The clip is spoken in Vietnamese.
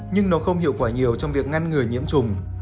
nhưng nó không hiệu quả nhiều trong việc ngăn ngừa nhiễm trùng